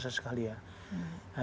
terasa sekali ya